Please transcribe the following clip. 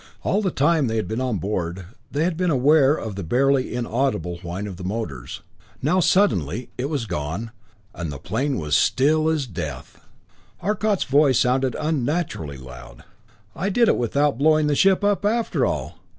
All the time they had been on board, they had been aware of the barely inaudible whine of the motors. Now suddenly, it was gone, and the plane was still as death! Arcot's voice sounded unnaturally loud. "I did it without blowing the ship up after all!